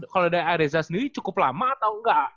kalau dari areza sendiri cukup lama atau enggak